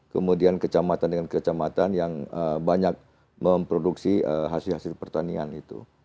kemudian kecamatan dengan kecamatan yang banyak memproduksi hasil hasil pertanian itu